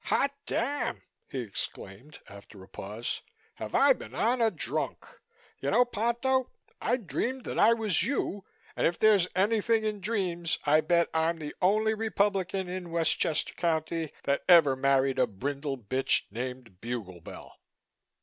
"Hot damn!" he exclaimed, after a pause. "Have I been on a drunk! You know, Ponto, I dreamed that I was you and if there's anything in dreams I bet I'm the only Republican in Westchester County that ever married a brindle bitch named Buglebell.